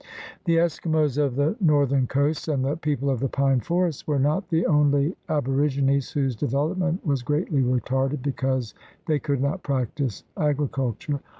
The Eskimos of the northern coasts and the people of the pine forests were not the only ab origines whose development was greatly retarded because they could not practice agriculture.